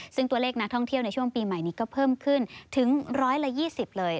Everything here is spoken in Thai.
ซึ่งตัวเลขนักท่องเที่ยวในช่วงปีใหม่นี้ก็เพิ่มขึ้นถึง๑๒๐เลย